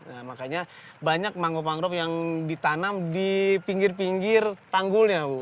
nah makanya banyak mangrove mangrove yang ditanam di pinggir pinggir tanggulnya bu